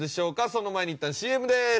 その前にいったんＣＭです。